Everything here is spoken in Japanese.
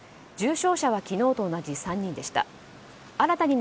重症者は昨日と同じ３人でした。